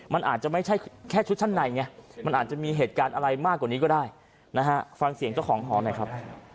มันเอาไปอีก๒ตัวใช่ไหมครับ